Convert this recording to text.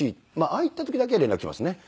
ああいった時だけ連絡来ますね。